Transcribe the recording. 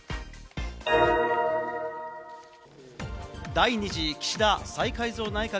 第２次岸田再改造内閣。